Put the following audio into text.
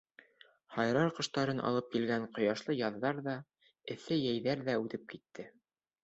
Һайрар ҡоштарын алып килгән ҡояшлы яҙҙар ҙа, эҫе йәйҙәр ҙә үтеп китте.